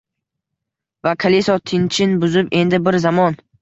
Va kaliso tinchin buzib endi bir zamon